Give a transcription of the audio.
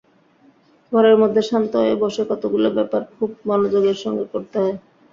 ঘরের মধ্যে শান্ত হয়ে বসে কতগুলো ব্যাপার খুব মনোযোগের সঙ্গে করতে হয়।